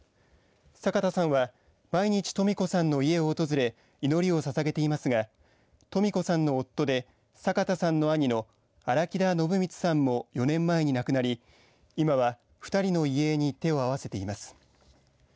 坂田さんは毎日トミ子さんの家を訪れ祈りをささげていますがトミ子さんの夫で坂田さんの兄の荒木田晨満さんも４年前に亡くなり今は２人の遺影に手を合わせています。